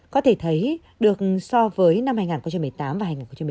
có thể thấy được so với năm hai nghìn một mươi tám và hai nghìn một mươi chín